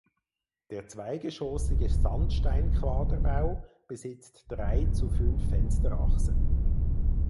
Der zweigeschossige Sandsteinquaderbau besitzt drei zu fünf Fensterachsen.